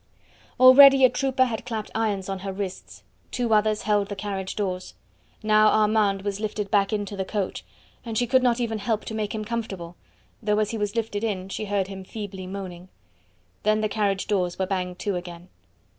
Already a trooper had clapped irons on her wrists, two others held the carriage doors. Now Armand was lifted back into the coach, and she could not even help to make him comfortable, though as he was lifted in she heard him feebly moaning. Then the carriage doors were banged to again.